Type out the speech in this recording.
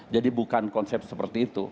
jadi bukan konsep seperti itu